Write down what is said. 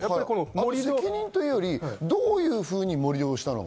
責任というより、どういうふうに盛り土をしたのか。